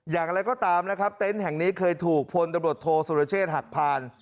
อย่างไรก็ตามนะครับเต็นต์แห่งนี้เคยถูกพลตำรวจโทษสุรเชษฐ์หักพาน